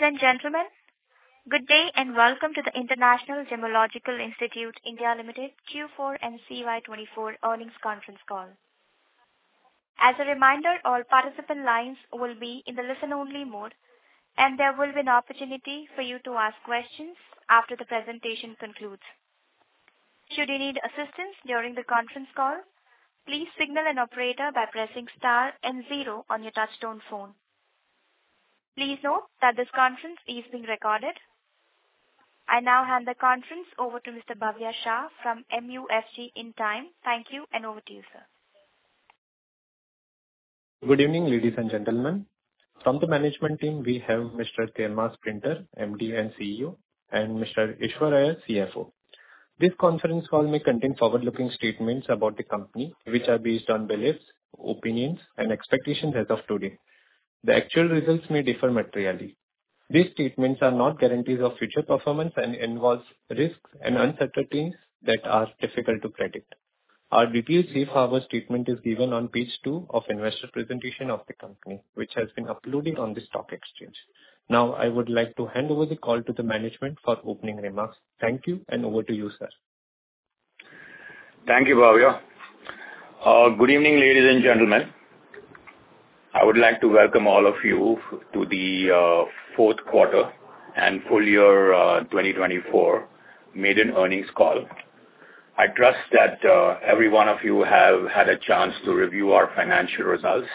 Ladies and gentlemen, good day and welcome to the International Gemmological Institute (India) Limited Q4 and CY 2024 earnings conference call. As a reminder, all participant lines will be in the listen-only mode, and there will be an opportunity for you to ask questions after the presentation concludes. Should you need assistance during the conference call, please signal an operator by pressing star and zero on your touch-tone phone. Please note that this conference is being recorded. I now hand the conference over to Mr. Bhavya Shah from MUFG Intime. Thank you, and over to you, sir. Good evening, ladies and gentlemen. From the management team, we have Mr. Tehmasp Printer, MD and CEO, and Mr. Eashwar Iyer, CFO. This conference call may contain forward-looking statements about the company, which are based on beliefs, opinions, and expectations as of today. The actual results may differ materially. These statements are not guarantees of future performance and involve risks and uncertainties that are difficult to predict. Our detailed CFO's statement is given on page two of investor presentation of the company, which has been uploaded on the stock exchange. Now, I would like to hand over the call to the management for opening remarks. Thank you, and over to you, sir. Thank you, Bhavya. Good evening, ladies and gentlemen. I would like to welcome all of you to the fourth quarter and full year 2024 maiden earnings call. I trust that every one of you have had a chance to review our financial results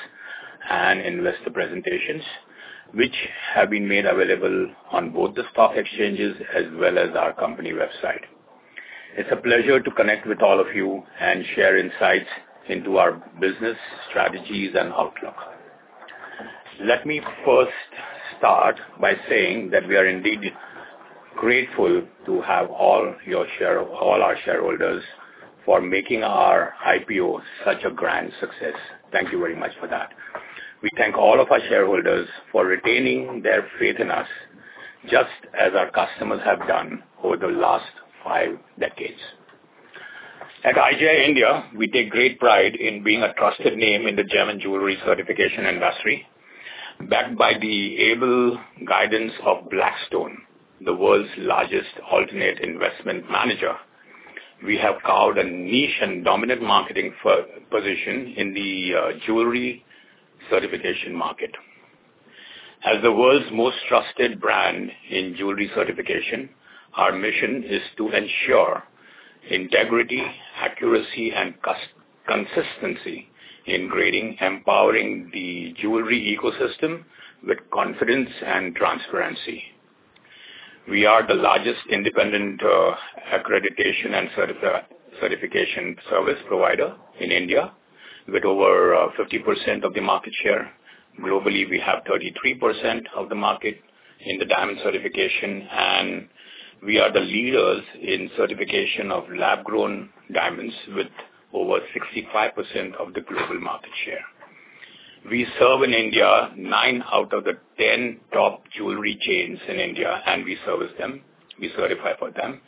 and investor presentations, which have been made available on both the stock exchanges as well as our company website. It's a pleasure to connect with all of you and share insights into our business strategies and outlook. Let me first start by saying that we are indeed grateful to have all our shareholders for making our IPO such a grand success. Thank you very much for that. We thank all of our shareholders for retaining their faith in us, just as our customers have done over the last five decades. At IGI India, we take great pride in being a trusted name in the gemmological jewelry certification industry, backed by the able guidance of Blackstone, the world's largest alternative investment manager. We have carved a niche and dominant market position in the jewelry certification market. As the world's most trusted brand in jewelry certification, our mission is to ensure integrity, accuracy, and consistency in grading, empowering the jewelry ecosystem with confidence and transparency. We are the largest independent accreditation and certification service provider in India, with over 50% of the market share. Globally, we have 33% of the market in the diamond certification, and we are the leaders in certification of lab-grown diamonds with over 65% of the global market share. We serve in India nine out of the ten top jewelry chains in India, and we service them. We certify for them,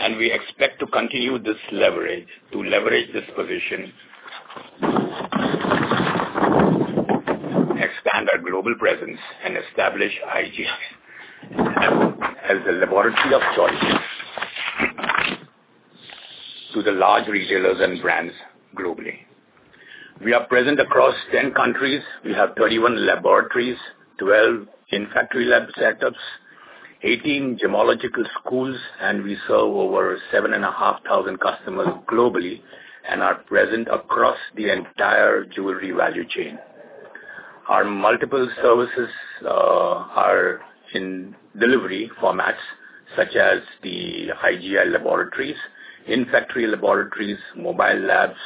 and we expect to continue to leverage this position, expand our global presence, and establish IGI as a laboratory of choice to the large retailers and brands globally. We are present across ten countries. We have 31 laboratories, 12 in-factory lab setups, 18 gemmological schools, and we serve over 7,500 customers globally and are present across the entire jewelry value chain. Our multiple services are in delivery formats such as the IGI laboratories, in-factory laboratories, mobile labs,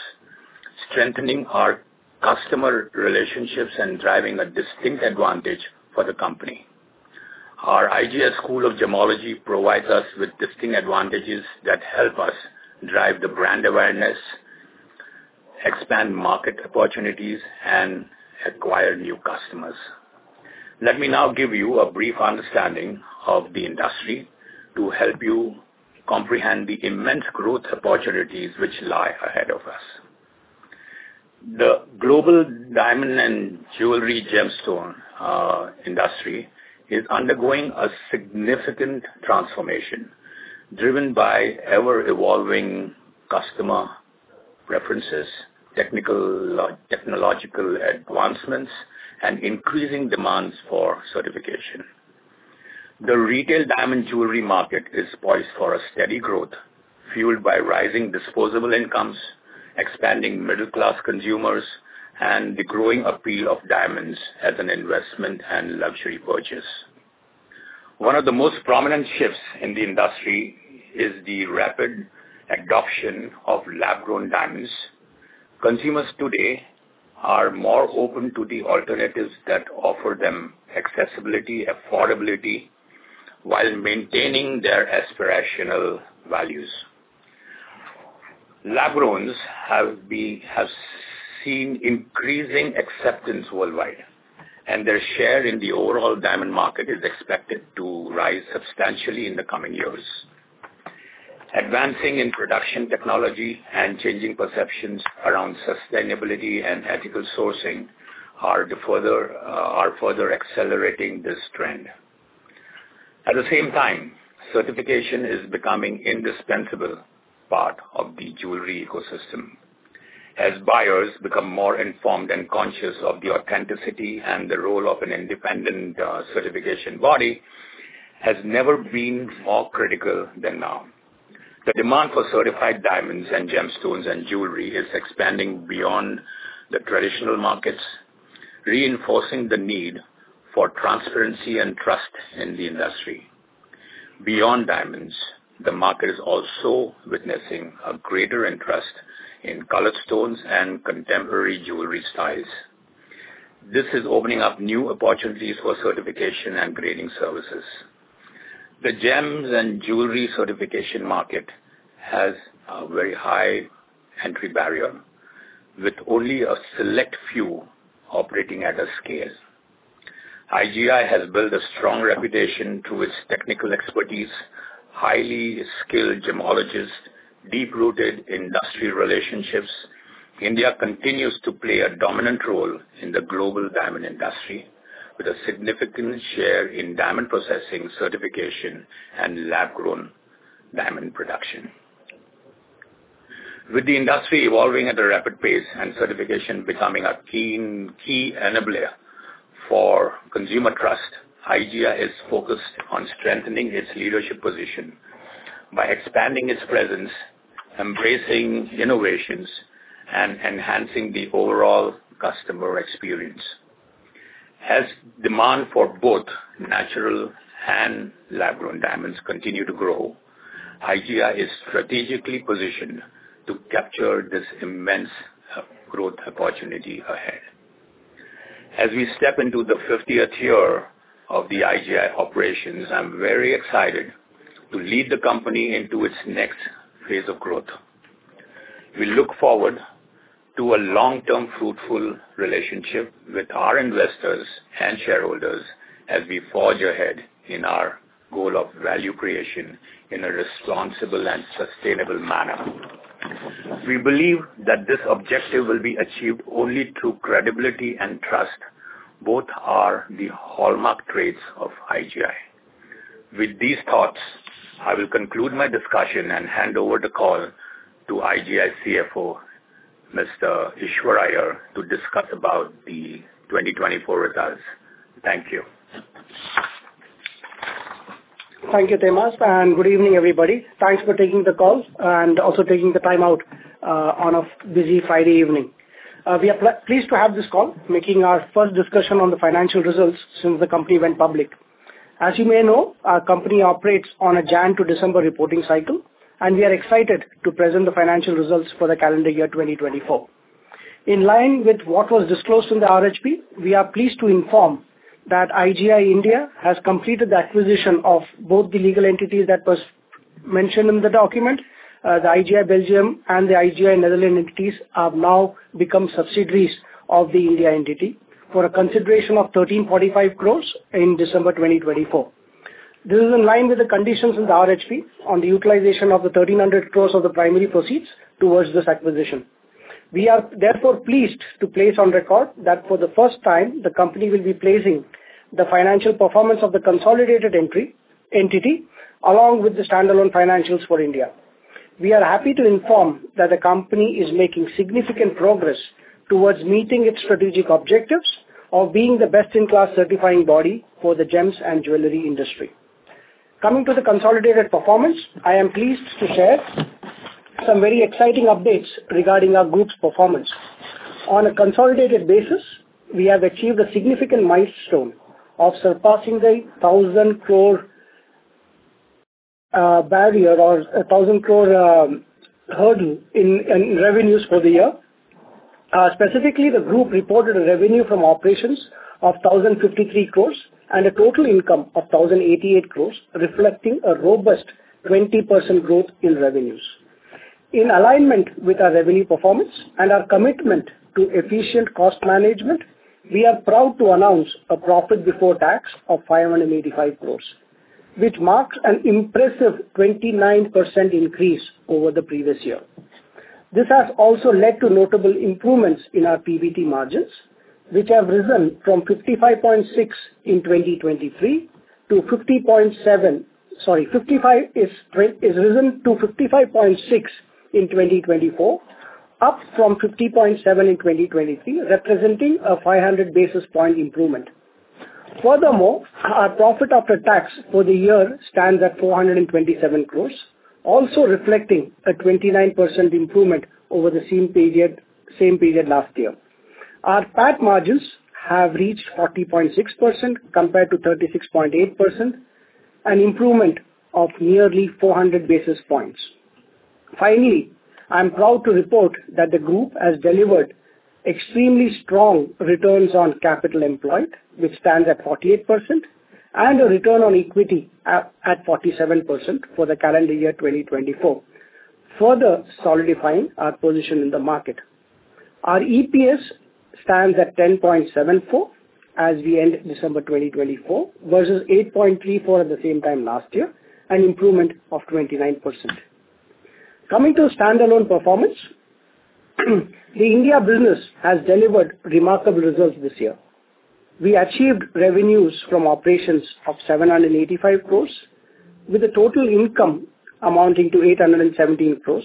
strengthening our customer relationships, and driving a distinct advantage for the company. Our IGI School of Gemmology provides us with distinct advantages that help us drive the brand awareness, expand market opportunities, and acquire new customers. Let me now give you a brief understanding of the industry to help you comprehend the immense growth opportunities which lie ahead of us. The global diamond and jewelry gemstone industry is undergoing a significant transformation driven by ever-evolving customer preferences, technological advancements, and increasing demands for certification. The retail diamond jewelry market is poised for a steady growth, fueled by rising disposable incomes, expanding middle-class consumers, and the growing appeal of diamonds as an investment and luxury purchase. One of the most prominent shifts in the industry is the rapid adoption of lab-grown diamonds. Consumers today are more open to the alternatives that offer them accessibility, affordability, while maintaining their aspirational values. Lab-growns have seen increasing acceptance worldwide, and their share in the overall diamond market is expected to rise substantially in the coming years. Advancing in production technology and changing perceptions around sustainability and ethical sourcing are further accelerating this trend. At the same time, certification is becoming an indispensable part of the jewelry ecosystem. As buyers become more informed and conscious of the authenticity and the role of an independent certification body, it has never been more critical than now. The demand for certified diamonds and gemstones and jewelry is expanding beyond the traditional markets, reinforcing the need for transparency and trust in the industry. Beyond diamonds, the market is also witnessing a greater interest in colored stones and contemporary jewelry styles. This is opening up new opportunities for certification and grading services. The gems and jewelry certification market has a very high entry barrier, with only a select few operating at a scale. IGI has built a strong reputation through its technical expertise, highly skilled gemologists, and deep-rooted industry relationships. India continues to play a dominant role in the global diamond industry, with a significant share in diamond processing, certification, and lab-grown diamond production. With the industry evolving at a rapid pace and certification becoming a key enabler for consumer trust, IGI is focused on strengthening its leadership position by expanding its presence, embracing innovations, and enhancing the overall customer experience. As demand for both natural and lab-grown diamonds continues to grow, IGI is strategically positioned to capture this immense growth opportunity ahead. As we step into the 50th year of the IGI operations, I'm very excited to lead the company into its next phase of growth. We look forward to a long-term fruitful relationship with our investors and shareholders as we forge ahead in our goal of value creation in a responsible and sustainable manner. We believe that this objective will be achieved only through credibility and trust, both are the hallmark traits of IGI. With these thoughts, I will conclude my discussion and hand over the call to IGI CFO, Mr. Eashwar Iyer, to discuss about the 2024 results. Thank you. Thank you, Tehmasp, and good evening, everybody. Thanks for taking the call and also taking the time out on a busy Friday evening. We are pleased to have this call, making our first discussion on the financial results since the company went public. As you may know, our company operates on a January to December reporting cycle, and we are excited to present the financial results for the calendar year 2024. In line with what was disclosed in the RHP, we are pleased to inform that IGI India has completed the acquisition of both the legal entities that were mentioned in the document. The IGI Belgium and the IGI Netherlands entities have now become subsidiaries of the India entity for a consideration of 1,345 crores in December 2024. This is in line with the conditions in the RHP on the utilization of the 1,300 crores of the primary proceeds towards this acquisition. We are therefore pleased to place on record that for the first time, the company will be placing the financial performance of the consolidated entity along with the standalone financials for India. We are happy to inform that the company is making significant progress towards meeting its strategic objectives of being the best-in-class certifying body for the gems and jewelry industry. Coming to the consolidated performance, I am pleased to share some very exciting updates regarding our group's performance. On a consolidated basis, we have achieved a significant milestone of surpassing the 1,000 crore barrier or 1,000 crore hurdle in revenues for the year. Specifically, the group reported a revenue from operations of 1,053 crores and a total income of 1,088 crores, reflecting a robust 20% growth in revenues. In alignment with our revenue performance and our commitment to efficient cost management, we are proud to announce a profit before tax of 585 crores, which marks an impressive 29% increase over the previous year. This has also led to notable improvements in our PBT margins, which have risen from 55.6 in 2023 to 50.7. Sorry, 55 is risen to 55.6 in 2024, up from 50.7 in 2023, representing a 500 basis point improvement. Furthermore, our profit after tax for the year stands at 427 crores, also reflecting a 29% improvement over the same period last year. Our PAT margins have reached 40.6% compared to 36.8%, an improvement of nearly 400 basis points. Finally, I'm proud to report that the group has delivered extremely strong returns on capital employed, which stands at 48%, and a return on equity at 47% for the calendar year 2024, further solidifying our position in the market. Our EPS stands at 10.74 as we end December 2024 versus 8.34 at the same time last year, an improvement of 29%. Coming to standalone performance, the India business has delivered remarkable results this year. We achieved revenues from operations of 785 crores, with a total income amounting to 817 crores,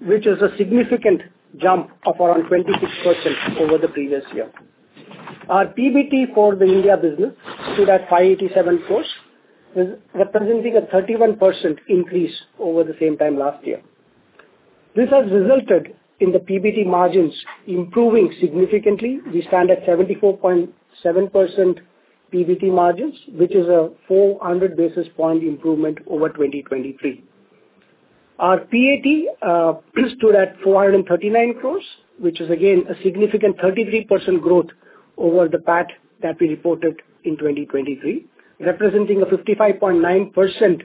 which is a significant jump of around 26% over the previous year. Our PBT for the India business stood at 587 crores, representing a 31% increase over the same time last year. This has resulted in the PBT margins improving significantly. We stand at 74.7% PBT margins, which is a 400 basis point improvement over 2023. Our PAT stood at 439 crores, which is again a significant 33% growth over the PAT that we reported in 2023, representing a 55.9%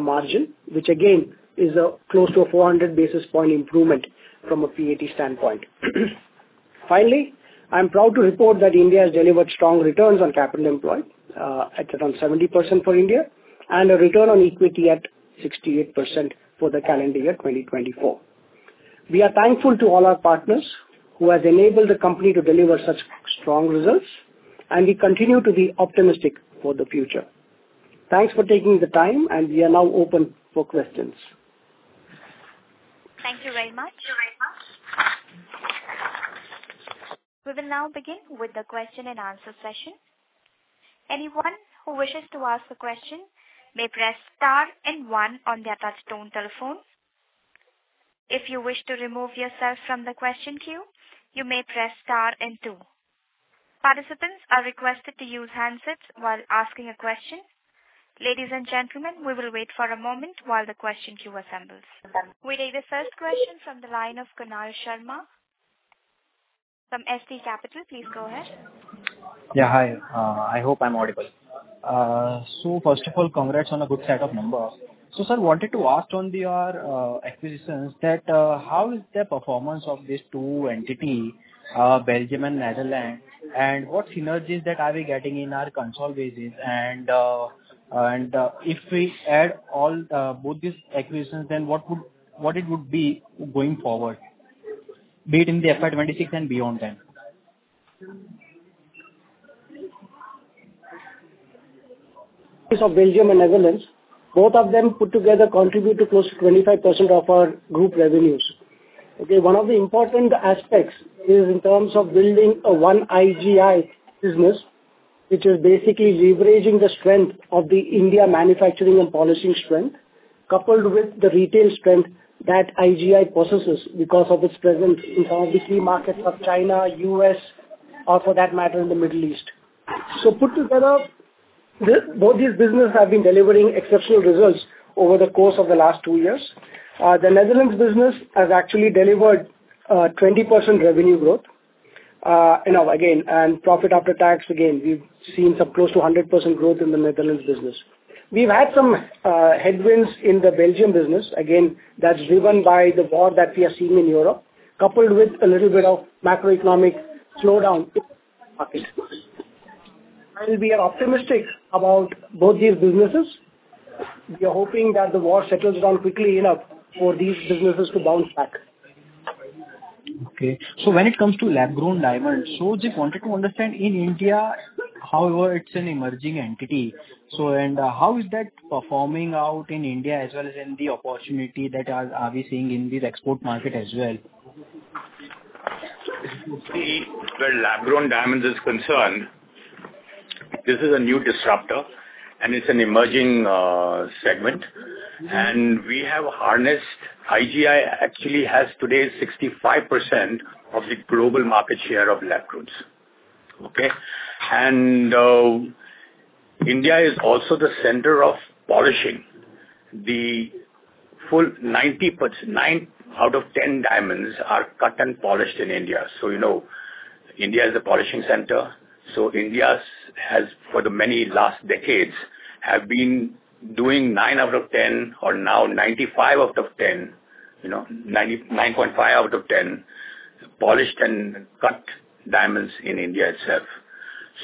margin, which again is close to a 400 basis point improvement from a PAT standpoint. Finally, I'm proud to report that India has delivered strong returns on capital employed, at around 70% for India, and a return on equity at 68% for the calendar year 2024. We are thankful to all our partners who have enabled the company to deliver such strong results, and we continue to be optimistic for the future. Thanks for taking the time, and we are now open for questions. Thank you very much. We will now begin with the question and answer session. Anyone who wishes to ask a question may press star and one on the touchtone telephone. If you wish to remove yourself from the question queue, you may press star and two. Participants are requested to use handsets while asking a question. Ladies and gentlemen, we will wait for a moment while the question queue assembles. We take the first question from the line of Kunal Sharma from SP Capital. Please go ahead. Yeah, hi. I hope I'm audible. So first of all, congrats on a good set of numbers. So sir, I wanted to ask on your acquisitions that how is the performance of these two entities, Belgium and Netherlands, and what synergies that are we getting in our consolidated bases? And if we add both these acquisitions, then what it would be going forward, be it in the FY 2026 and beyond then? Of Belgium and Netherlands, both of them put together contribute to close to 25% of our group revenues. Okay, one of the important aspects is in terms of building a one IGI business, which is basically leveraging the strength of the India manufacturing and polishing strength, coupled with the retail strength that IGI possesses because of its presence in some of the key markets of China, U.S., or for that matter, in the Middle East. So put together, both these businesses have been delivering exceptional results over the course of the last two years. The Netherlands business has actually delivered 20% revenue growth. And again, profit after tax, again, we've seen some close to 100% growth in the Netherlands business. We've had some headwinds in the Belgium business. Again, that's driven by the war that we are seeing in Europe, coupled with a little bit of macroeconomic slowdown in the market. We are optimistic about both these businesses. We are hoping that the war settles down quickly enough for these businesses to bounce back. Okay. So when it comes to lab-grown diamonds, so just wanted to understand in India, however, it's an emerging entity. So how is that performing out in India as well as in the opportunity that are we seeing in the export market as well? If you see, where lab-grown diamonds is concerned, this is a new disruptor, and it's an emerging segment. And we have harnessed IGI actually has today 65% of the global market share of lab-grown. Okay. And India is also the center of polishing. The full 90 out of 10 diamonds are cut and polished in India. So you know India is the polishing center. So India has, for the many last decades, been doing 9 out of 10 or now 95 out of 10, 9.5 out of 10 polished and cut diamonds in India itself.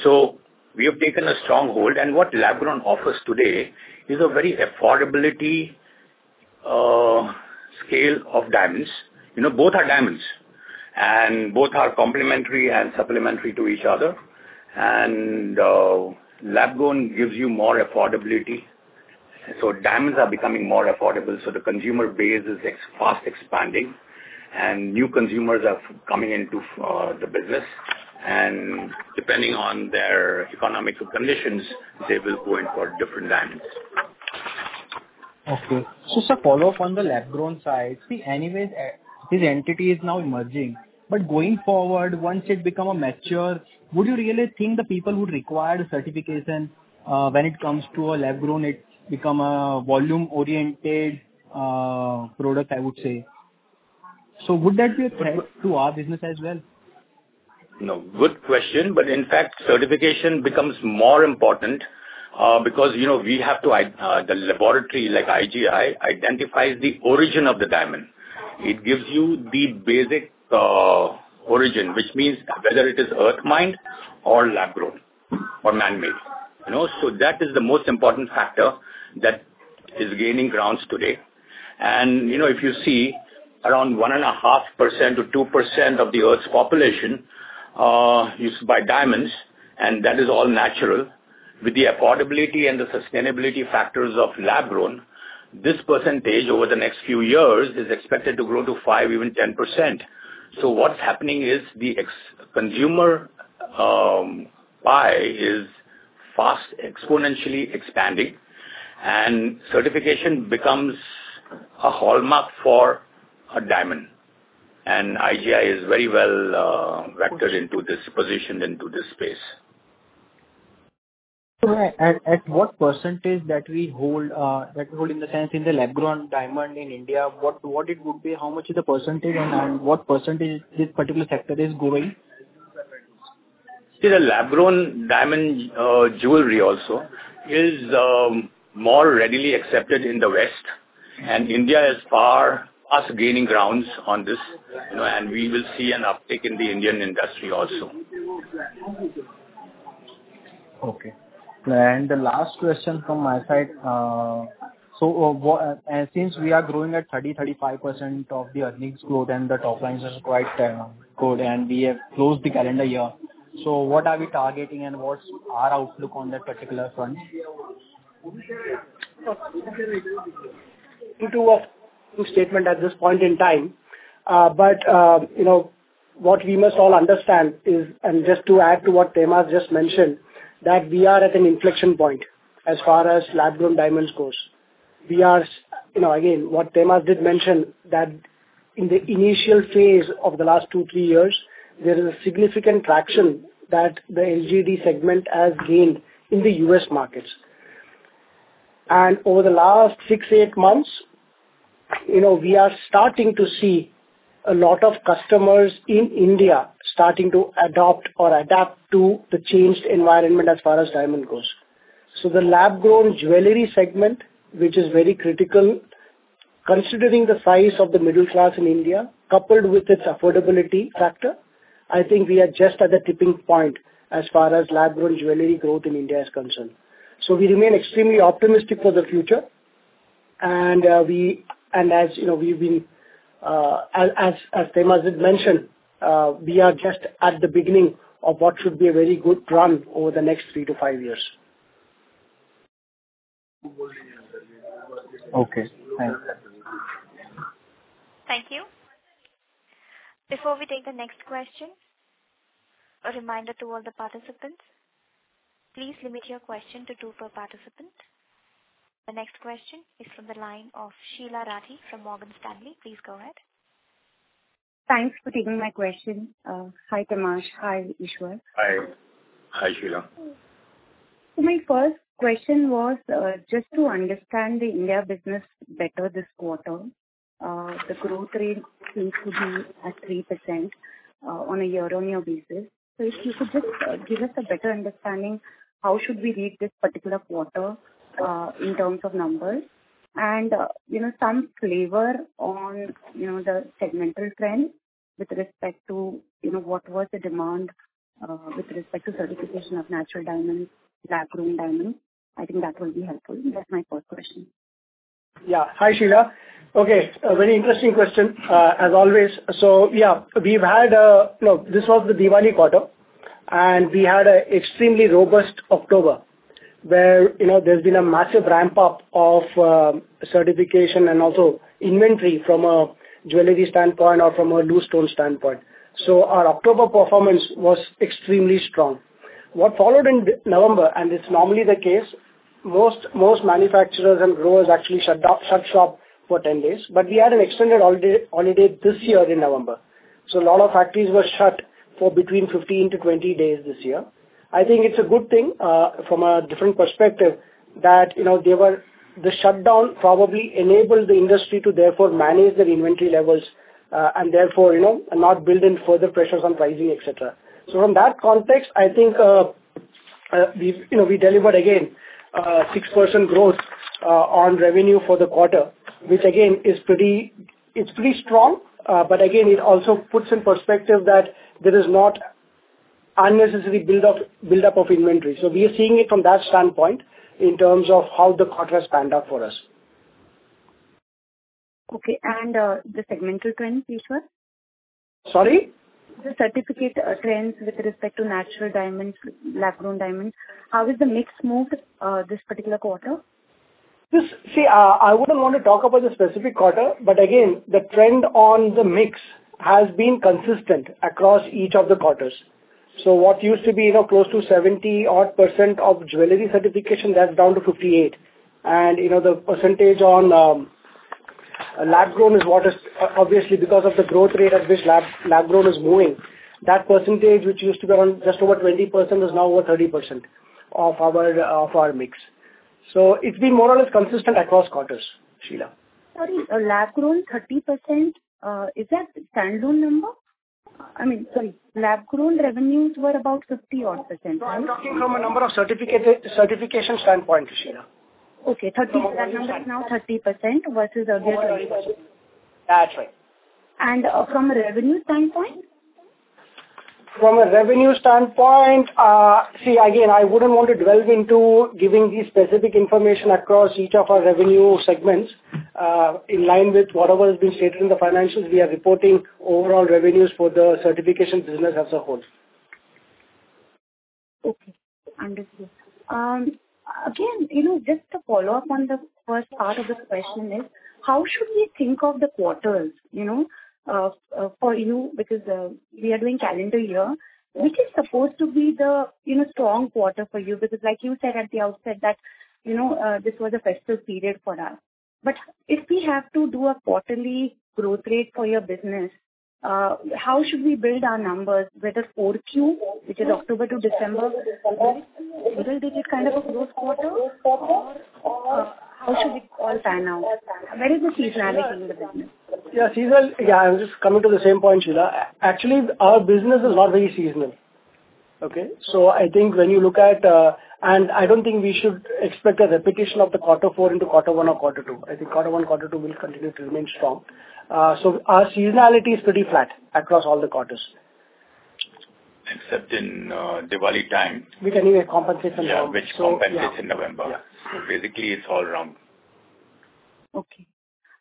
So we have taken a strong hold. And what lab-grown offers today is a very affordability scale of diamonds. Both are diamonds, and both are complementary and supplementary to each other. And lab-grown gives you more affordability. So diamonds are becoming more affordable. So the consumer base is fast expanding, and new consumers are coming into the business. And depending on their economic conditions, they will go in for different diamonds. Okay. So sir, follow up on the lab-grown side. See, anyways, this entity is now emerging. But going forward, once it becomes mature, would you really think the people would require a certification when it comes to a lab-grown? It becomes a volume-oriented product, I would say. So would that be a threat to our business as well? No, good question. But in fact, certification becomes more important because we have the laboratory like IGI identifies the origin of the diamond. It gives you the basic origin, which means whether it is Earth-mined or lab-grown or man-made. So that is the most important factor that is gaining ground today. And if you see around 1.5%-2% of the Earth's population uses diamonds, and that is all natural, with the affordability and the sustainability factors of lab-grown, this percentage over the next few years is expected to grow to 5%, even 10%. So what's happening is the consumer pie is fast exponentially expanding, and certification becomes a hallmark for a diamond. And IGI is very well vectored into this position, into this space. All right. At what percentage that we hold, in the sense in the lab-grown diamond in India, what it would be, how much is the percentage, and what percentage this particular sector is going? See, the lab-grown diamond jewelry also is more readily accepted in the West, and India is far gaining ground on this, and we will see an uptick in the Indian industry also. Okay. And the last question from my side. So since we are growing at 30%-35% of the earnings growth, and the top lines are quite good, and we have closed the calendar year, so what are we targeting and what's our outlook on that particular front? Two statements at this point in time. But what we must all understand is, and just to add to what Tehmasp has just mentioned, that we are at an inflection point as far as lab-grown diamonds goes. We are, again, what Tehmasp did mention, that in the initial phase of the last two, three years, there is a significant traction that the LGD segment has gained in the U.S. markets. And over the last six, eight months, we are starting to see a lot of customers in India starting to adopt or adapt to the changed environment as far as diamond goes. So the lab-grown jewelry segment, which is very critical, considering the size of the middle class in India, coupled with its affordability factor, I think we are just at the tipping point as far as lab-grown jewelry growth in India is concerned. We remain extremely optimistic for the future. As Tehmasp has mentioned, we are just at the beginning of what should be a very good run over the next three to five years. Okay. Thanks. Thank you. Before we take the next question, a reminder to all the participants, please limit your question to two per participant. The next question is from the line of Sheela Rathi from Morgan Stanley. Please go ahead. Thanks for taking my question. Hi, Tehmasp. Hi, Eashwar. Hi. Hi, Sheela. So my first question was just to understand the India business better this quarter. The growth rate seems to be at 3% on a year-on-year basis. So if you could just give us a better understanding, how should we read this particular quarter in terms of numbers? And some flavor on the segmental trend with respect to what was the demand with respect to certification of natural diamonds, lab-grown diamonds. I think that will be helpful. That's my first question. Yeah. Hi, Sheela. Okay. A very interesting question, as always. So yeah, we've had this was the Diwali quarter, and we had an extremely robust October where there's been a massive ramp-up of certification and also inventory from a jewelry standpoint or from a loose stone standpoint. So our October performance was extremely strong. What followed in November, and it's normally the case, most manufacturers and growers actually shut shop for 10 days. But we had an extended holiday this year in November. So a lot of factories were shut for between 15-20 days this year. I think it's a good thing from a different perspective that the shutdown probably enabled the industry to therefore manage their inventory levels and therefore not build in further pressures on pricing, etc. So from that context, I think we delivered, again, 6% growth on revenue for the quarter, which again, is pretty strong. But again, it also puts in perspective that there is not unnecessary build-up of inventory. So we are seeing it from that standpoint in terms of how the quarter has panned out for us. Okay. And the segmental trend, Eashwar? Sorry? The certification trends with respect to natural diamonds, lab-grown diamonds. How has the mix moved this particular quarter? See, I wouldn't want to talk about the specific quarter, but again, the trend on the mix has been consistent across each of the quarters. So what used to be close to 70-odd% of jewelry certification, that's down to 58%. And the percentage on lab-grown is what is obviously because of the growth rate at which lab-grown is moving. That percentage, which used to be around just over 20%, is now over 30% of our mix. So it's been more or less consistent across quarters, Sheela. Sorry, lab-grown 30%, is that standalone number? I mean, sorry, lab-grown revenues were about 50-odd%, right? I'm talking from a number of certification standpoint, Sheela. Okay. That number is now 30% versus earlier 20%. That's right. From a revenue standpoint? From a revenue standpoint, see, again, I wouldn't want to delve into giving the specific information across each of our revenue segments. In line with whatever has been stated in the financials, we are reporting overall revenues for the certification business as a whole. Okay. Understood. Again, just to follow up on the first part of the question is, how should we think of the quarters for you? Because we are doing calendar year. Which is supposed to be the strong quarter for you? Because like you said at the outset that this was a festive period for us. But if we have to do a quarterly growth rate for your business, how should we build our numbers? Whether Q4, which is October to December, will this be kind of a growth quarter? Or how should we all pan out? What is the seasonality in the business? Yeah, seasonal. Yeah, I'm just coming to the same point, Sheela. Actually, our business is not very seasonal. Okay? So I think when you look at and I don't think we should expect a repetition of the quarter four into quarter one or quarter two. I think quarter one, quarter two will continue to remain strong. So our seasonality is pretty flat across all the quarters. Except in Diwali time. Which anyway compensates in November. Yeah, which compensates in November. Basically, it's all wrong. Okay.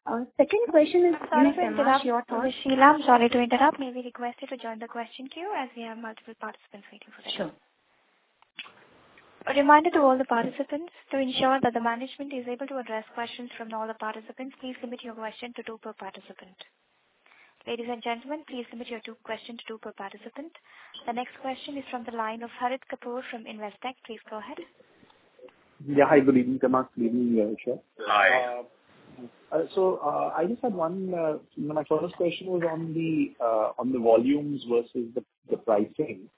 Our second question is, sorry to interrupt your thought. Sheela, I'm sorry to interrupt. May we request you to join the question queue as we have multiple participants waiting for the question? Sure. A reminder to all the participants, to ensure that the management is able to address questions from all the participants, please limit your question to two per participant. Ladies and gentlemen, please limit your question to two per participant. The next question is from the line of Harit Kapoor from Investec. Please go ahead. Hi. Good evening, Tehmasp. Good evening, Eashwar. Hi. So, I just had one. My first question was on the volumes versus the pricing.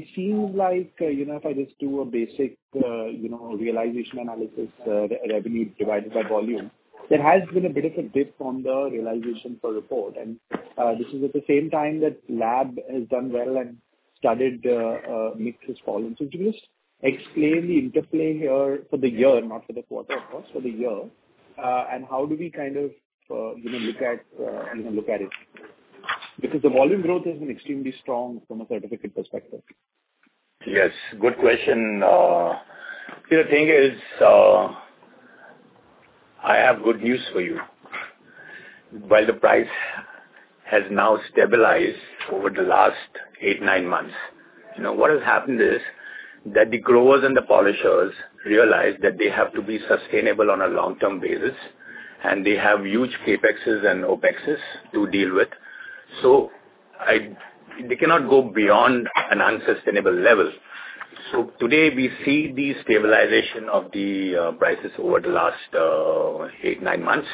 It seems like if I just do a basic realization analysis, revenue divided by volume, there has been a bit of a dip on the realization per report. And this is at the same time that lab has done well and standard mix has fallen. So could you just explain the interplay here for the year, not for the quarter, of course, for the year? And how do we kind of look at it? Because the volume growth has been extremely strong from a certificate perspective. Yes. Good question. See, the thing is, I have good news for you. While the price has now stabilized over the last eight, nine months, what has happened is that the growers and the polishers realize that they have to be sustainable on a long-term basis, and they have huge CapEx and OpEx to deal with. So they cannot go beyond an unsustainable level. So today, we see the stabilization of the prices over the last eight, nine months,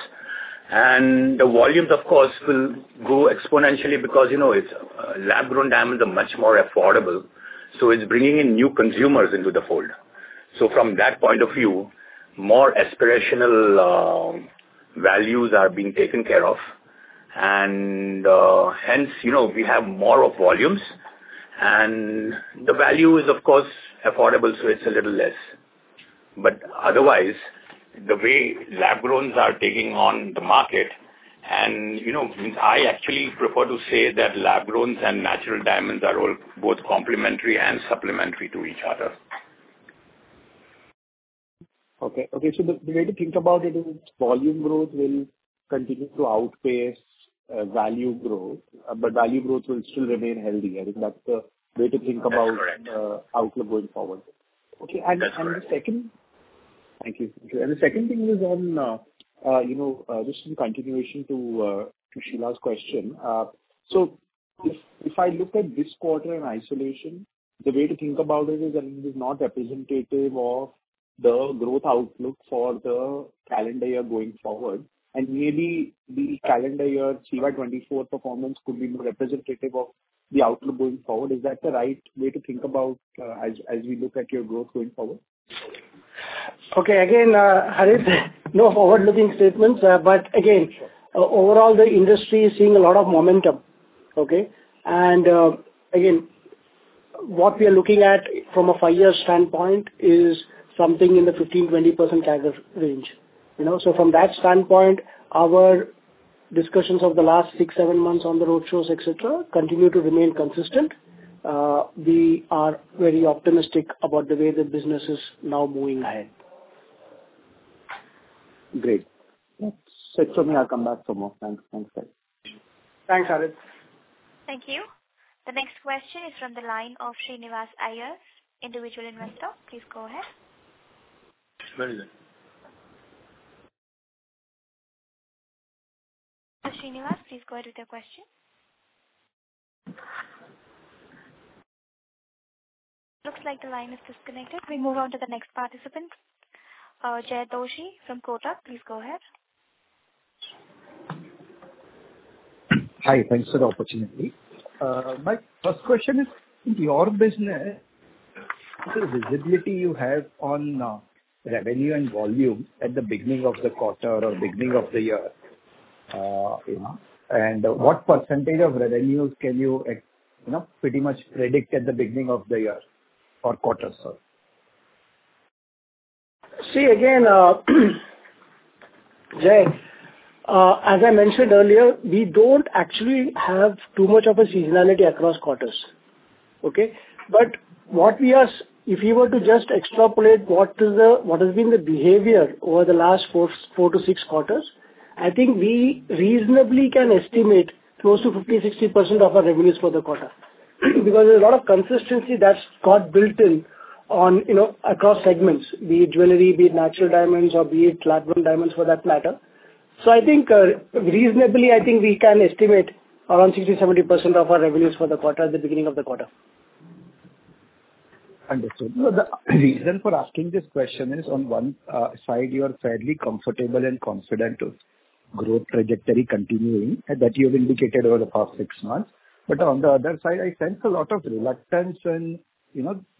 and the volumes, of course, will grow exponentially because lab-grown diamonds are much more affordable. So it's bringing in new consumers into the fold. So from that point of view, more aspirational values are being taken care of, and hence, we have more of volumes, and the value is, of course, affordable, so it's a little less. But otherwise, the way lab-growns are taking on the market, and I actually prefer to say that lab-growns and natural diamonds are both complementary and supplementary to each other. The way to think about it is volume growth will continue to outpace value growth, but value growth will still remain healthy. I think that's the way to think about outlook going forward. That's correct. Okay. And the second thing is just in continuation to Sheela's question. So if I look at this quarter in isolation, the way to think about it is that it is not representative of the growth outlook for the calendar year going forward. And maybe the calendar year CY 2024 performance could be more representative of the outlook going forward. Is that the right way to think about as we look at your growth going forward? Okay. Again, Harit, no forward-looking statements. But again, overall, the industry is seeing a lot of momentum. Okay? And again, what we are looking at from a five-year standpoint is something in the 15%-20% range. So from that standpoint, our discussions of the last six, seven months on the road shows, etc., continue to remain consistent. We are very optimistic about the way the business is now moving ahead. Great. That's it from me. I'll come back for more. Thanks. Thanks, Harit. Thank you. The next question is from the line of Srinivas Iyer, individual investor. Please go ahead. Very good. Srinivas, please go ahead with your question. Looks like the line is disconnected. We move on to the next participant, Jay Doshi from Kotak. Please go ahead. Hi. Thanks for the opportunity. My first question is, in your business, the visibility you have on revenue and volume at the beginning of the quarter or beginning of the year, and what percentage of revenues can you pretty much predict at the beginning of the year or quarter? See, again, Jay, as I mentioned earlier, we don't actually have too much of a seasonality across quarters. Okay? But if you were to just extrapolate what has been the behavior over the last four to six quarters, I think we reasonably can estimate close to 50%-60% of our revenues for the quarter. Because there's a lot of consistency that's got built in across segments, be it jewelry, be it natural diamonds, or be it lab-grown diamonds for that matter. So I think reasonably, I think we can estimate around 60%-70% of our revenues for the quarter at the beginning of the quarter. Understood. The reason for asking this question is, on one side, you are fairly comfortable and confident with growth trajectory continuing that you have indicated over the past six months. But on the other side, I sense a lot of reluctance in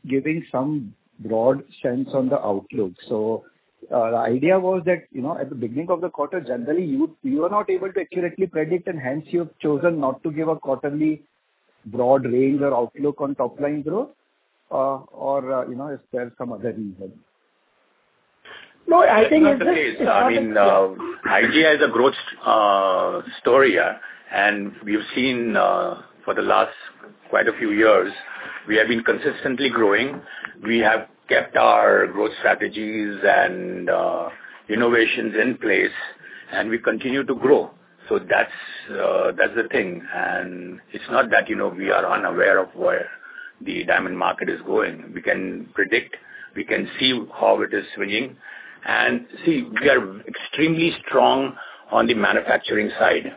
giving some broad sense on the outlook. So the idea was that at the beginning of the quarter, generally, you are not able to accurately predict, and hence you have chosen not to give a quarterly broad range or outlook on top-line growth, or is there some other reason? No, I think it's the. I mean, IGI is a growth story, and we've seen for the last quite a few years, we have been consistently growing. We have kept our growth strategies and innovations in place, and we continue to grow. So that's the thing. And it's not that we are unaware of where the diamond market is going. We can predict. We can see how it is swinging. And see, we are extremely strong on the manufacturing side.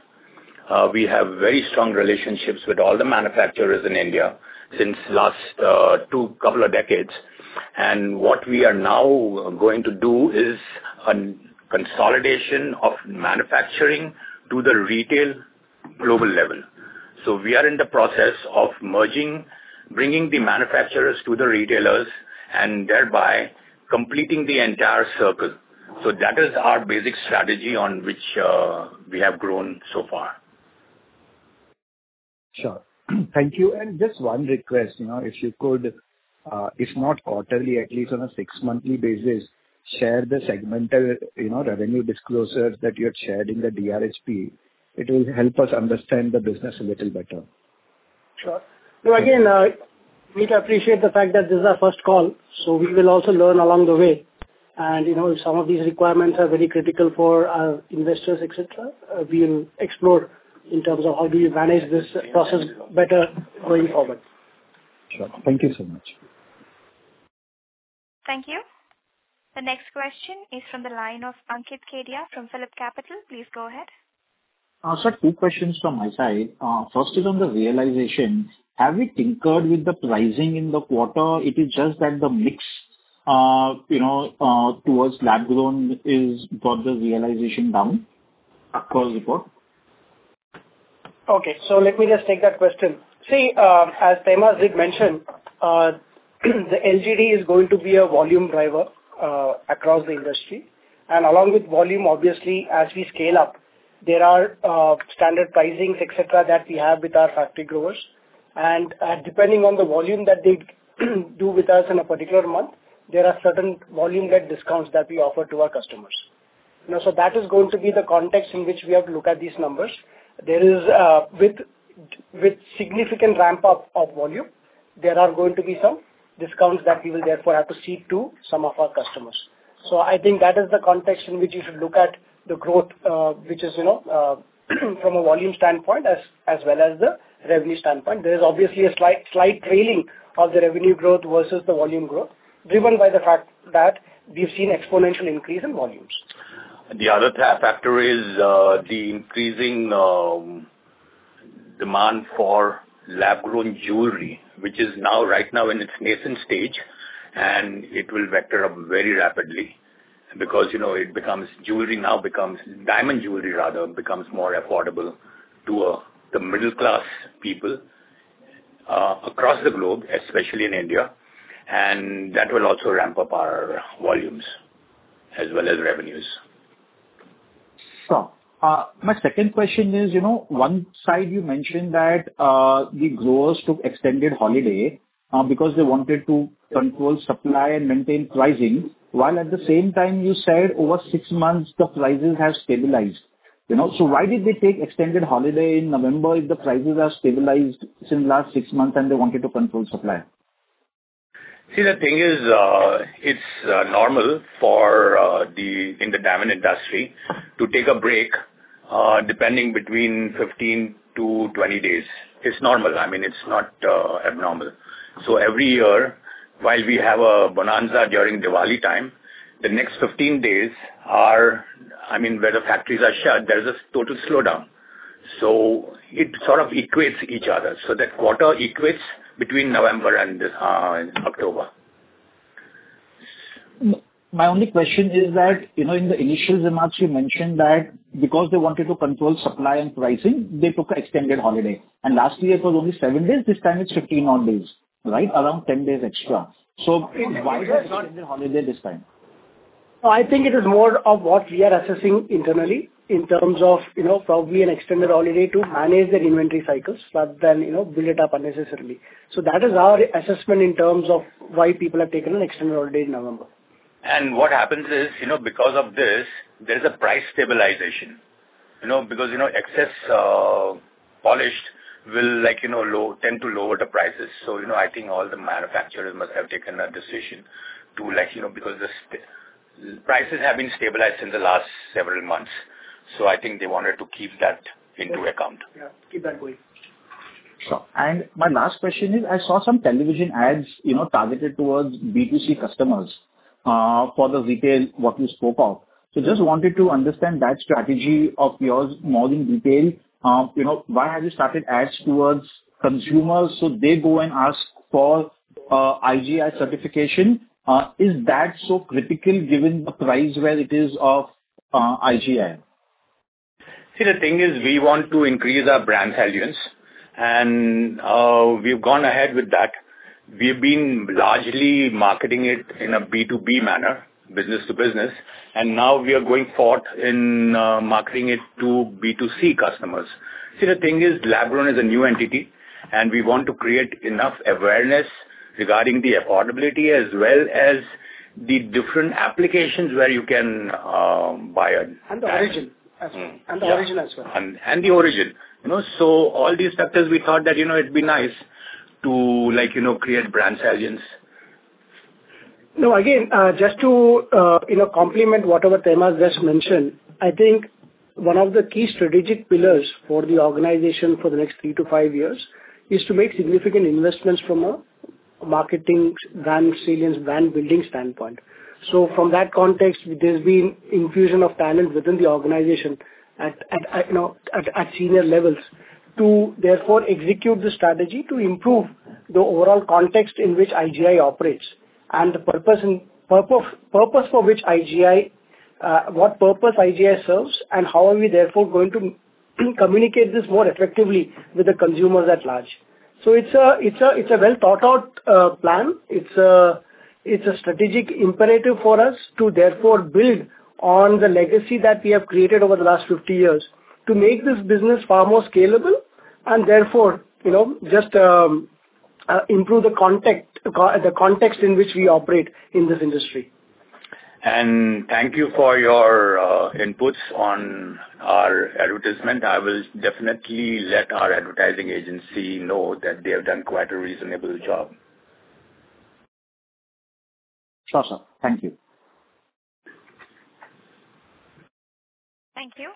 We have very strong relationships with all the manufacturers in India since the last couple of decades. And what we are now going to do is a consolidation of manufacturing to the retail global level. So we are in the process of merging, bringing the manufacturers to the retailers, and thereby completing the entire circle. So that is our basic strategy on which we have grown so far. Sure. Thank you, and just one request. If you could, if not quarterly, at least on a six-monthly basis, share the segmental revenue disclosures that you had shared in the DRHP. It will help us understand the business a little better. Sure. No, again, we appreciate the fact that this is our first call. So we will also learn along the way. And if some of these requirements are very critical for our investors, etc., we will explore in terms of how do we manage this process better going forward. Sure. Thank you so much. Thank you. The next question is from the line of Ankit Kedia from Phillip Capital. Please go ahead. Sir, two questions from my side. First is on the realization. Have we tinkered with the pricing in the quarter? It is just that the mix towards lab-grown has brought the realization down. Okay, so let me just take that question. See, as Tehmasp did mention, the LGD is going to be a volume driver across the industry. And along with volume, obviously, as we scale up, there are standard pricings, etc., that we have with our factory growers. And depending on the volume that they do with us in a particular month, there are certain volume-led discounts that we offer to our customers. So that is going to be the context in which we have to look at these numbers. With significant ramp-up of volume, there are going to be some discounts that we will therefore have to see to some of our customers. So I think that is the context in which you should look at the growth, which is from a volume standpoint as well as the revenue standpoint. There is obviously a slight trailing of the revenue growth versus the volume growth, driven by the fact that we've seen exponential increase in volumes. The other factor is the increasing demand for lab-grown jewelry, which is now right now in its nascent stage, and it will vector up very rapidly because it becomes jewelry now becomes diamond jewelry, rather, becomes more affordable to the middle-class people across the globe, especially in India, and that will also ramp up our volumes as well as revenues. Sure. My second question is, on one side, you mentioned that the growers took extended holiday because they wanted to control supply and maintain pricing, while at the same time, you said over six months, the prices have stabilized, so why did they take extended holiday in November if the prices have stabilized since last six months and they wanted to control supply? See, the thing is, it's normal for the diamond industry to take a break depending between 15-20 days. It's normal. I mean, it's not abnormal. So every year, while we have a bonanza during Diwali time, the next 15 days are I mean, where the factories are shut, there's a total slowdown. So it sort of equates each other. So that quarter equates between November and October. My only question is that in the initial remarks, you mentioned that because they wanted to control supply and pricing, they took extended holiday. And last year, it was only seven days. This time, it's 15 odd days, right? Around 10 days extra. So why was it not extended holiday this time? I think it is more of what we are assessing internally in terms of probably an extended holiday to manage that inventory cycles rather than build it up unnecessarily. So that is our assessment in terms of why people have taken an extended holiday in November. And what happens is, because of this, there's a price stabilization. Because excess polished will tend to lower the prices. So I think all the manufacturers must have taken a decision to because the prices have been stabilized in the last several months. So I think they wanted to keep that into account. Yeah. Keep that going. Sure. And my last question is, I saw some television ads targeted towards B2C customers for the retail, what you spoke of. So just wanted to understand that strategy of yours more in detail. Why have you started ads towards consumers so they go and ask for IGI certification? Is that so critical given the price where it is of IGI? See, the thing is, we want to increase our brand salience, and we've gone ahead with that. We've been largely marketing it in a B2B manner, business to business. And now we are going forth in marketing it to B2C customers. See, the thing is, lab-grown is a new entity, and we want to create enough awareness regarding the affordability as well as the different applications where you can buy it. And the origin as well. And the origin as well. So all these factors, we thought that it'd be nice to create brand salience. No, again, just to complement whatever Tehmasp just mentioned, I think one of the key strategic pillars for the organization for the next three to five years is to make significant investments from a marketing, brand salience, brand building standpoint. So from that context, there's been infusion of talent within the organization at senior levels to therefore execute the strategy to improve the overall context in which IGI operates and the purpose for which IGI serves and how are we therefore going to communicate this more effectively with the consumers at large. So it's a well-thought-out plan. It's a strategic imperative for us to therefore build on the legacy that we have created over the last 50 years to make this business far more scalable and therefore just improve the context in which we operate in this industry. Thank you for your inputs on our advertisement. I will definitely let our advertising agency know that they have done quite a reasonable job. Sure, sir. Thank you. Thank you.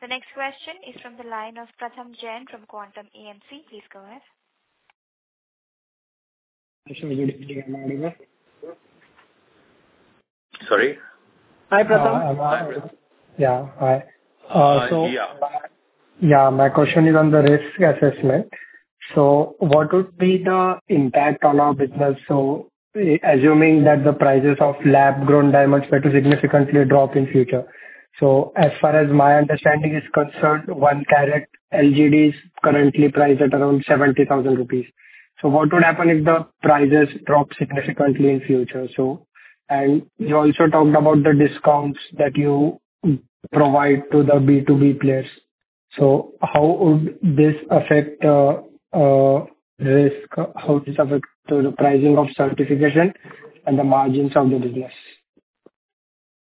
The next question is from the line of Pratham Kankariya from Quantum Mutual Fund. Please go ahead. Sorry? Hi, Pratham. Yeah. Hi. Hi, yeah. Yeah. My question is on the risk assessment. So what would be the impact on our business? So assuming that the prices of lab-grown diamonds were to significantly drop in future. So as far as my understanding is concerned, one carat LGD is currently priced at around 70,000 rupees. So what would happen if the prices drop significantly in future? And you also talked about the discounts that you provide to the B2B players. So how would this affect risk? How does it affect the pricing of certification and the margins of the business?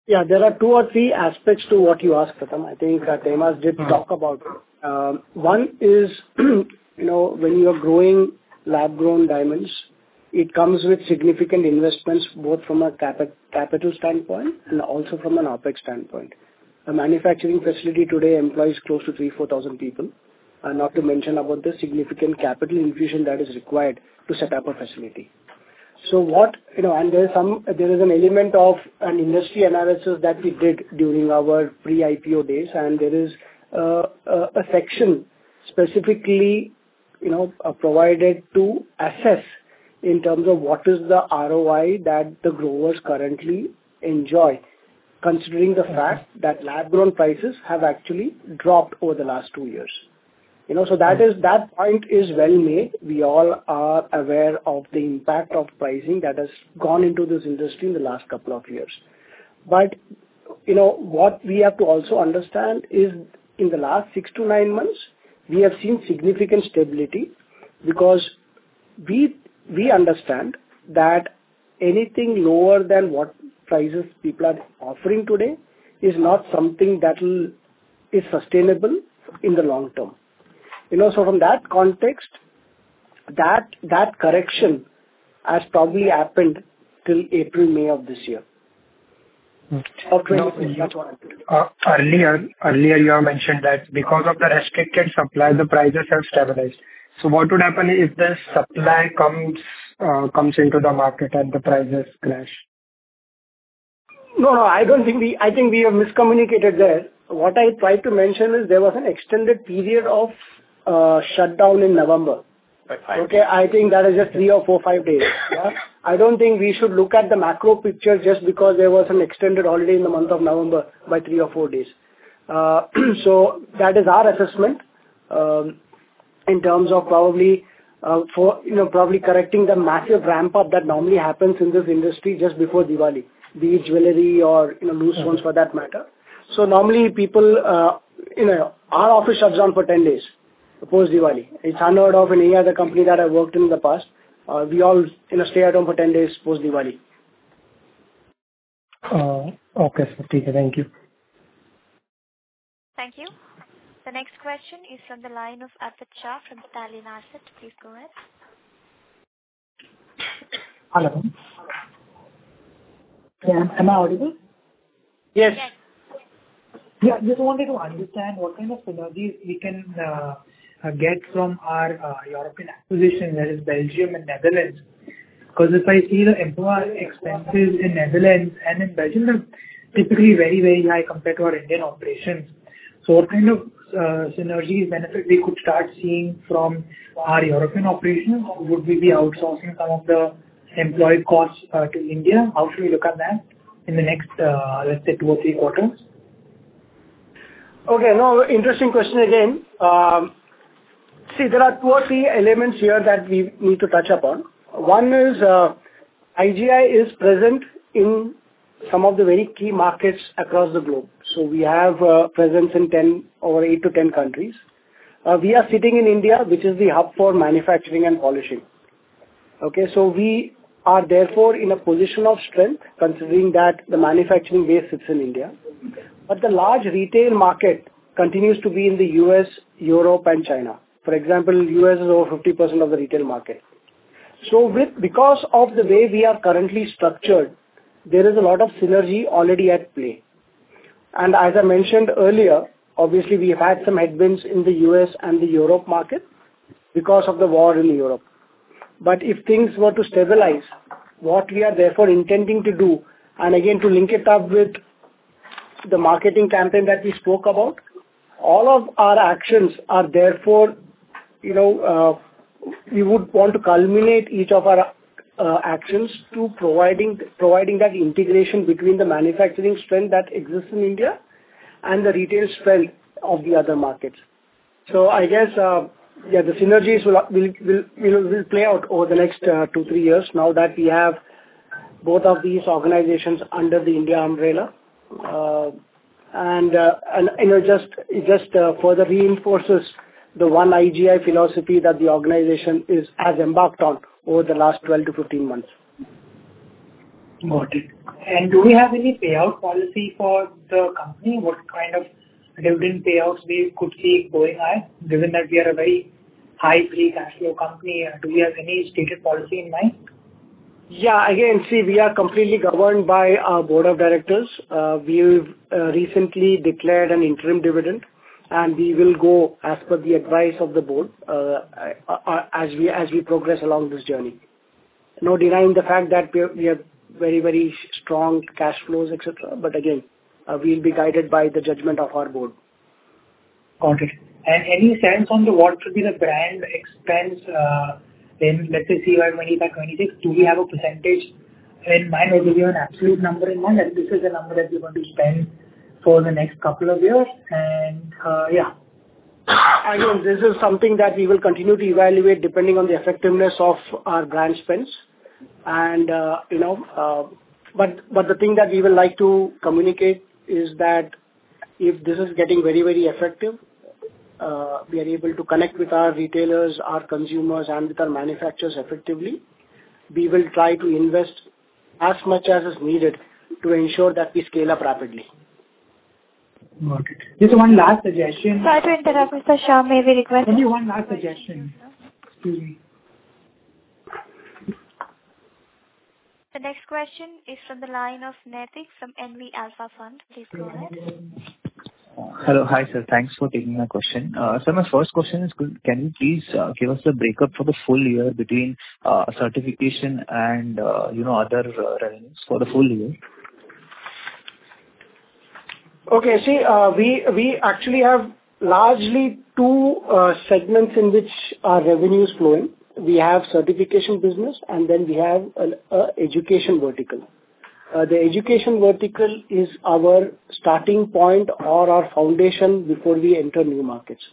Yeah. There are two or three aspects to what you asked, Pratham. I think Tehmasp did talk about it. One is, when you are growing lab-grown diamonds, it comes with significant investments both from a capital standpoint and also from an Opex standpoint. A manufacturing facility today employs close to 3,000-4,000 people, not to mention about the significant capital infusion that is required to set up a facility. So there is an element of an industry analysis that we did during our pre-IPO days, and there is a section specifically provided to assess in terms of what is the ROI that the growers currently enjoy, considering the fact that lab-grown prices have actually dropped over the last two years. So that point is well-made. We all are aware of the impact of pricing that has gone into this industry in the last couple of years. But what we have to also understand is, in the last six to nine months, we have seen significant stability because we understand that anything lower than what prices people are offering today is not something that is sustainable in the long term. So from that context, that correction has probably happened till April, May of this year. Earlier, you have mentioned that because of the restricted supply, the prices have stabilized. So what would happen if the supply comes into the market and the prices crash? No, no. I think we have miscommunicated there. What I tried to mention is there was an extended period of shutdown in November. Okay? I think that is just three or four, five days. Yeah? I don't think we should look at the macro picture just because there was an extended holiday in the month of November by three or four days. So that is our assessment in terms of probably correcting the massive ramp-up that normally happens in this industry just before Diwali, be it jewelry or loose ones for that matter. So normally, our office shuts down for 10 days post-Diwali. It's unheard of in any other company that I've worked in the past. We all stay at home for 10 days post-Diwali. Okay. Thank you. Thank you. The next question is from the line of Aditya Shah from Stallion Asset. Please go ahead. Hello. Am I audible? Yes. Yes. Yeah. Just wanted to understand what kind of synergies we can get from our European acquisition, that is, Belgium and Netherlands. Because if I see the employee expenses in Netherlands and in Belgium, they're typically very, very high compared to our Indian operations. So what kind of synergy benefit we could start seeing from our European operations? Would we be outsourcing some of the employee costs to India? How should we look at that in the next, let's say, two or three quarters? Okay. Another interesting question again. See, there are two or three elements here that we need to touch upon. One is IGI is present in some of the very key markets across the globe. So we have presence in over 8-10 countries. We are sitting in India, which is the hub for manufacturing and polishing. Okay? So we are therefore in a position of strength considering that the manufacturing base sits in India. But the large retail market continues to be in the U.S., Europe, and China. For example, the U.S. is over 50% of the retail market. So because of the way we are currently structured, there is a lot of synergy already at play. And as I mentioned earlier, obviously, we have had some headwinds in the U.S. and the Europe market because of the war in Europe. But if things were to stabilize, what we are therefore intending to do, and again, to link it up with the marketing campaign that we spoke about, all of our actions are therefore we would want to culminate each of our actions to providing that integration between the manufacturing strength that exists in India and the retail strength of the other markets. So I guess, yeah, the synergies will play out over the next two, three years now that we have both of these organizations under the India umbrella. And it just further reinforces the one IGI philosophy that the organization has embarked on over the last 12 to 15 months. Got it. And do we have any payout policy for the company? What kind of dividend payouts we could see going forward, given that we are a very high free cash flow company? Do we have any stated policy in mind? Yeah. Again, see, we are completely governed by our board of directors. We've recently declared an interim dividend, and we will go as per the advice of the board as we progress along this journey. No denying the fact that we have very, very strong cash flows, etc. But again, we'll be guided by the judgment of our board. Got it. And any sense on what could be the brand expense in, let's say, FY 2026? Do we have a percentage in mind or do we have an absolute number in mind that this is the number that we're going to spend for the next couple of years? And yeah. I think this is something that we will continue to evaluate depending on the effectiveness of our brand spends. But the thing that we would like to communicate is that if this is getting very, very effective, we are able to connect with our retailers, our consumers, and with our manufacturers effectively, we will try to invest as much as is needed to ensure that we scale up rapidly. Got it. Just one last suggestion. Sorry to interrupt, Mr. Shah. May we request? Only one last suggestion. Excuse me. The next question is from the line of Naitik from NV Alpha Fund. Please go ahead. Hello. Hi, sir. Thanks for taking my question. So my first question is, can you please give us the breakup for the full year between certification and other revenues for the full year? Okay. See, we actually have largely two segments in which our revenue is flowing. We have certification business, and then we have an education vertical. The education vertical is our starting point or our foundation before we enter new markets.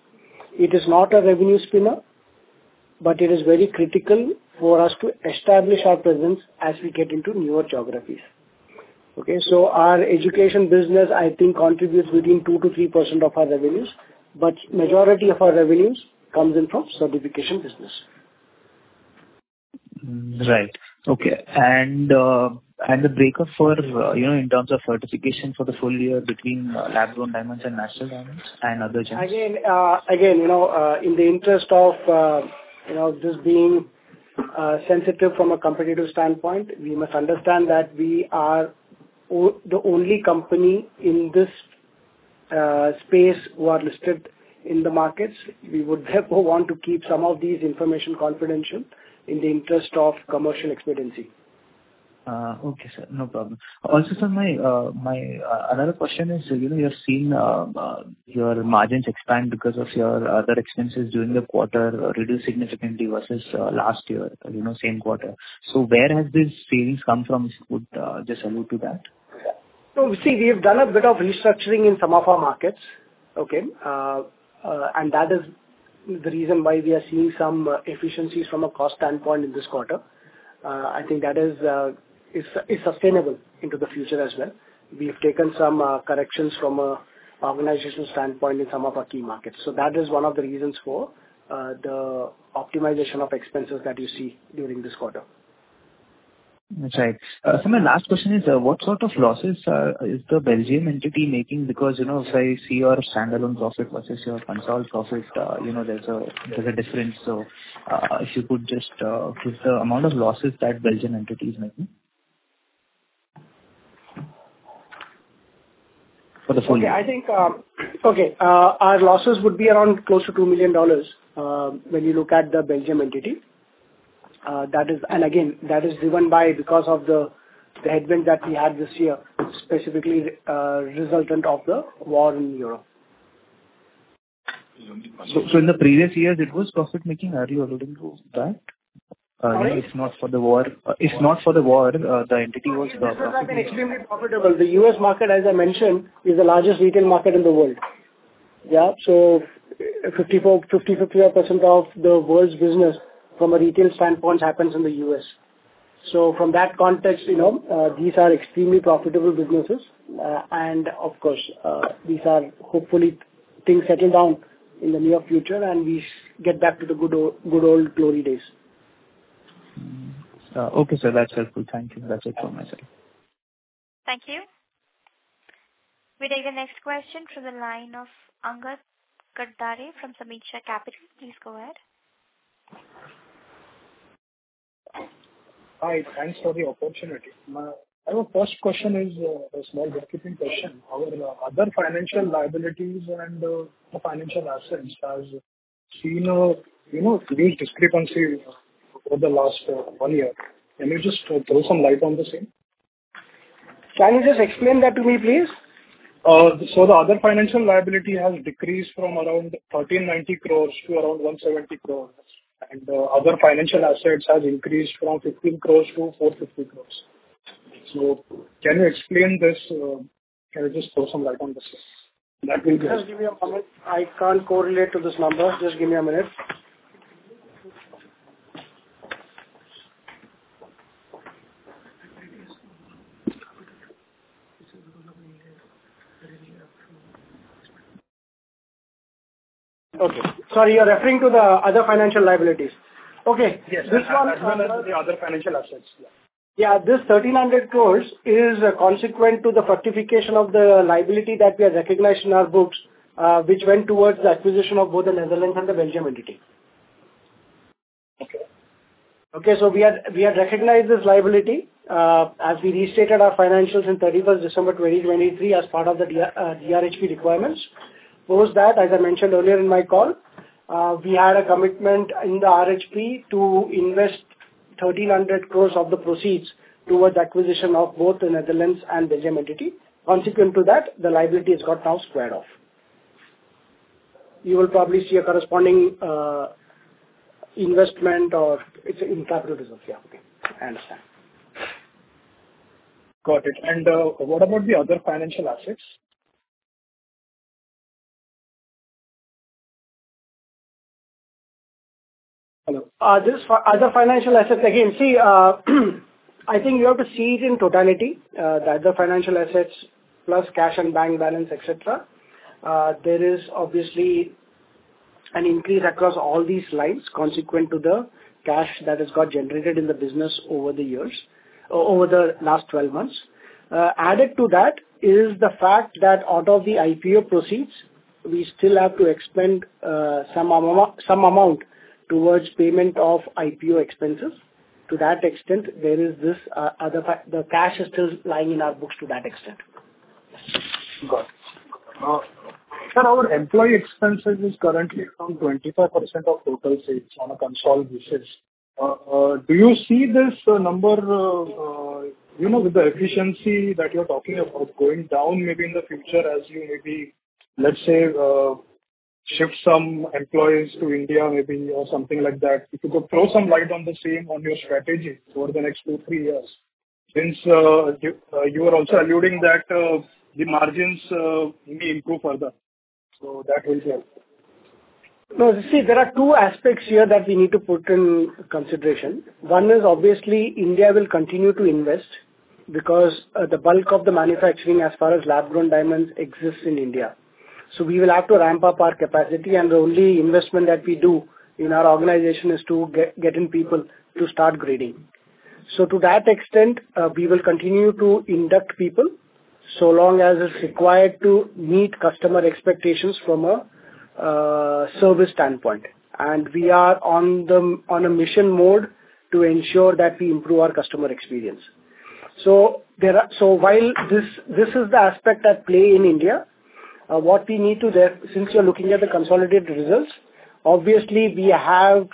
It is not a revenue spinner, but it is very critical for us to establish our presence as we get into newer geographies. Okay? So our education business, I think, contributes within 2%-3% of our revenues, but the majority of our revenues comes in from certification business. Right. Okay. And the breakup in terms of certification for the full year between lab-grown diamonds and natural diamonds and other gems? Again, in the interest of just being sensitive from a competitive standpoint, we must understand that we are the only company in this space who are listed in the markets. We would therefore want to keep some of these information confidential in the interest of commercial expediency. Okay, sir. No problem. Also, sir, my another question is, you have seen your margins expand because of your other expenses during the quarter reduced significantly versus last year, same quarter. So where has this savings come from? If you could just allude to that. So see, we have done a bit of restructuring in some of our markets. Okay? And that is the reason why we are seeing some efficiencies from a cost standpoint in this quarter. I think that is sustainable into the future as well. We've taken some corrections from an organizational standpoint in some of our key markets. So that is one of the reasons for the optimization of expenses that you see during this quarter. That's right. So my last question is, what sort of losses is the Belgium entity making? Because if I see your standalone profit versus your consolidated profit, there's a difference. So if you could just give the amount of losses that Belgium entity is making for the full year. Okay. I think our losses would be around close to $2 million when you look at the Belgium entity. And again, that is driven by because of the headwinds that we had this year, specifically resultant of the war in Europe. So in the previous years, it was profit-making. Are you alluding to that? Correct. If not for the war, if not for the war, the entity was profit-making. It has been extremely profitable. The U.S. market, as I mentioned, is the largest retail market in the world. Yeah? So 50%-55% of the world's business from a retail standpoint happens in the U.S. So from that context, these are extremely profitable businesses. And of course, these are hopefully things settle down in the near future and we get back to the good old glory days. Okay, sir. That's helpful. Thank you. That's it from my side. Thank you. We take the next question from the line of Angad Katdari from Sameeksha Capital. Please go ahead. Hi. Thanks for the opportunity. My first question is a small bookkeeping question. Our other financial liabilities and the financial assets have seen a huge discrepancy over the last one year. Can you just throw some light on the scene? Can you just explain that to me, please? The other financial liability has decreased from around 1,390 crores to around 170 crores. Other financial assets have increased from 15 crores to 450 crores. Can you explain this? Can you just throw some light on this? That will be helpful. Just give me a moment. I can't correlate to this number. Just give me a minute. Okay. Sorry, you're referring to the other financial liabilities. Okay. This one. Yes. That's the other financial assets. Yeah. This 1,300 crores is consequent to the fructification of the liability that we have recognized in our books, which went towards the acquisition of both the Netherlands and the Belgium entity. Okay? So we had recognized this liability as we restated our financials on 31st December 2023 as part of the DRHP requirements. Post that, as I mentioned earlier in my call, we had a commitment in the RHP to invest 1,300 crores of the proceeds towards the acquisition of both the Netherlands and Belgium entity. Consequent to that, the liability has got now squared off. You will probably see a corresponding investment or it's in capital reserves. Yeah. Okay. I understand. Got it. What about the other financial assets? Other financial assets. Again, see, I think you have to see it in totality. The other financial assets plus cash and bank balance, etc. There is obviously an increase across all these lines consequent to the cash that has got generated in the business over the years, over the last 12 months. Added to that is the fact that out of the IPO proceeds, we still have to expend some amount towards payment of IPO expenses. To that extent, there is this other, the cash is still lying in our books to that extent. Got it. Now, sir, our employee expenses is currently around 25% of total sales on a consolidated basis. Do you see this number with the efficiency that you're talking about going down maybe in the future as you maybe, let's say, shift some employees to India maybe or something like that? If you could throw some light on the same on your strategy over the next two, three years, since you were also alluding that the margins may improve further. So that will help. No. See, there are two aspects here that we need to put in consideration. One is, obviously, India will continue to invest because the bulk of the manufacturing as far as lab-grown diamonds exists in India, so we will have to ramp up our capacity, and the only investment that we do in our organization is to get in people to start grading, so to that extent, we will continue to induct people so long as it's required to meet customer expectations from a service standpoint, and we are on a mission mode to ensure that we improve our customer experience, so while this is the aspect at play in India, what we need to do, since you're looking at the consolidated results, obviously, we have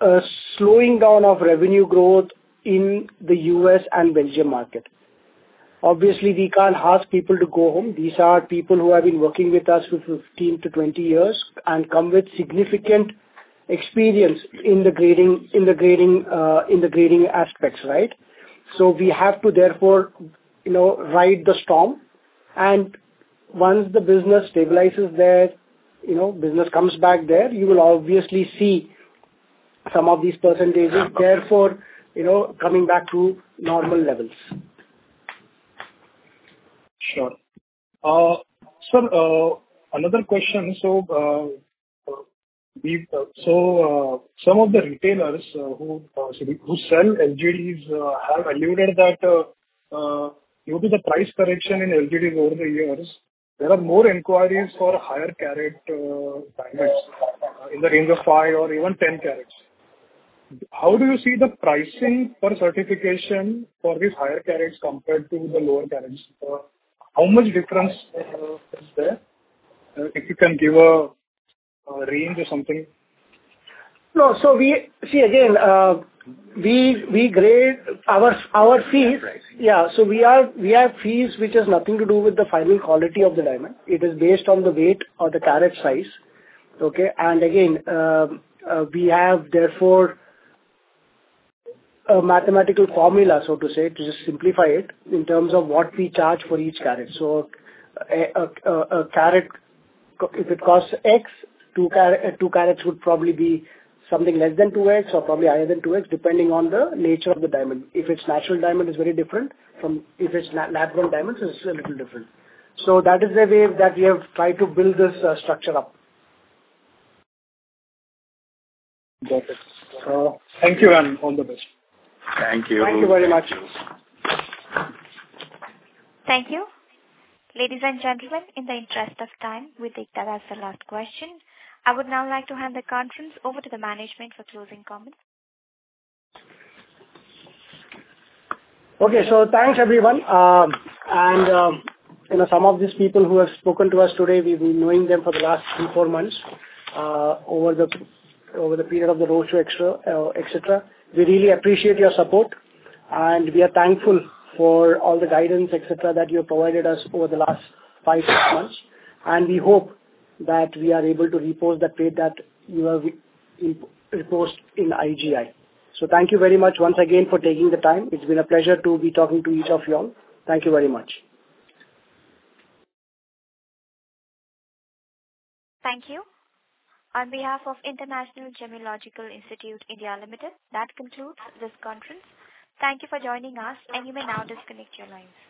a slowing down of revenue growth in the U.S. and Belgium market. Obviously, we can't ask people to go home. These are people who have been working with us for 15-20 years and come with significant experience in the grading aspects. Right? So we have to therefore ride the storm. And once the business stabilizes there, business comes back there, you will obviously see some of these percentages therefore coming back to normal levels. Sure. Sir, another question. So some of the retailers who sell LGDs have alluded that due to the price correction in LGDs over the years, there are more inquiries for higher carat diamonds in the range of 5 or even 10 carats. How do you see the pricing for certification for these higher carats compared to the lower carats? How much difference is there? If you can give a range or something. No, so see, again, we grade our fees. Oh, pricing. Yeah. So we have fees, which has nothing to do with the final quality of the diamond. It is based on the weight or the carat size. Okay? And again, we have therefore a mathematical formula, so to say, to just simplify it in terms of what we charge for each carat. So a carat, if it costs X, two carats would probably be something less than 2x or probably higher than 2x, depending on the nature of the diamond. If it's natural diamond, it's very different. If it's lab-grown diamonds, it's a little different. So that is the way that we have tried to build this structure up. Got it. Thank you, and all the best. Thank you. Thank you very much. Thank you. Ladies and gentlemen, in the interest of time, we take that as the last question. I would now like to hand the conference over to the management for closing comments. Okay. So thanks, everyone. And some of these people who have spoken to us today, we've been knowing them for the last three, four months over the period of the roadshow, etc. We really appreciate your support. And we are thankful for all the guidance, etc., that you have provided us over the last five, six months. And we hope that we are able to repay the trust that you have reposed in IGI. So thank you very much once again for taking the time. It's been a pleasure to be talking to each of you all. Thank you very much. Thank you. On behalf of International Gemmological Institute (India) Limited, that concludes this conference. Thank you for joining us, and you may now disconnect your lines.